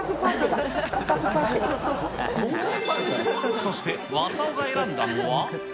そして、わさおが選んだのは。